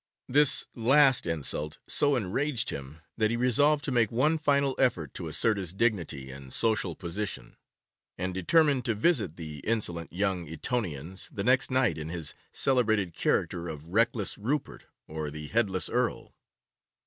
This last insult so enraged him, that he resolved to make one final effort to assert his dignity and social position, and determined to visit the insolent young Etonians the next night in his celebrated character of 'Reckless Rupert, or the Headless Earl.